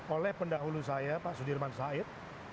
oleh pendahulu saya pak sudirman said